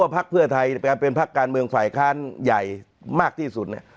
พักเพื่อไทยเป็นพักการเมืองฝ่ายค้านใหญ่มากที่สุดเนี่ย